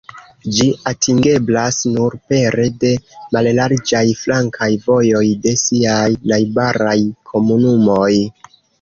Ĝi atingeblas nur pere de mallarĝaj flankaj vojoj de siaj najbaraj komunumoj.